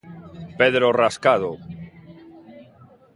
Pedro Rascado.